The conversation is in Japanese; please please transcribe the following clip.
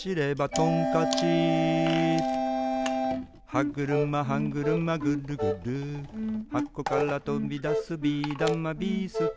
「トンカチ」「はぐるまはぐるまぐるぐる」「はこからとびだすビーだま・ビーすけ」